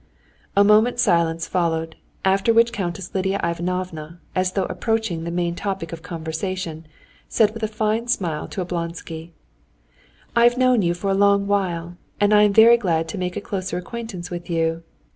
A moment's silence followed, after which Countess Lidia Ivanovna, as though approaching the main topic of conversation, said with a fine smile to Oblonsky: "I've known you for a long while, and am very glad to make a closer acquaintance with you.